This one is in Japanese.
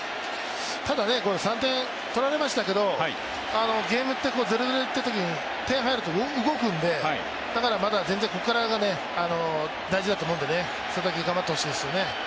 ただ、３点取られましたけど、ゲームって、０−０でいったときに点が入ると動くんでだからまだ全然ここからが大事だと思うので佐々木に頑張ってほしいですね。